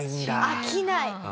飽きない。